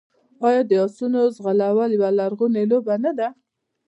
آیا د اسونو ځغلول یوه لرغونې لوبه نه ده؟